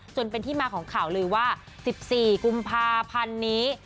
จนเป็นที่มาของข่าวเลยว่า๑๔กุมภาพันธ์นี้